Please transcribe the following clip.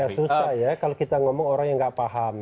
ya susah ya kalau kita ngomong orang yang gak paham